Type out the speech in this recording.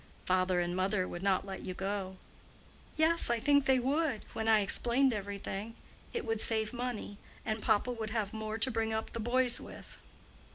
"Father and mother would not let you go." "Yes, I think they would, when I explained everything. It would save money; and papa would have more to bring up the boys with."